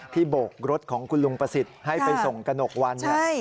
ที่โบกรถของคุณลุงประสิทธิ์ให้ไปส่งกนกวัน